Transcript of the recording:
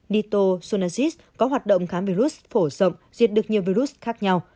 nitazosanit có hoạt động khám virus phổ rộng diệt được nhiều virus khác nhau